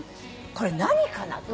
これ何かな？と。